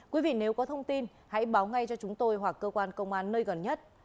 quý vị nếu có thông tin hãy báo ngay cho chúng tôi hoặc cơ quan công an nơi gần nhất